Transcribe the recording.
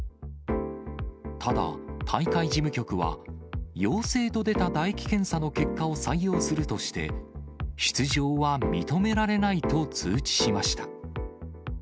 ただ、大会事務局は、陽性と出た唾液検査の結果を採用するとして、出場は認められないと通知しました。